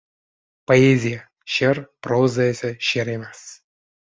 Poeziya – she’r, proza esa she’r emas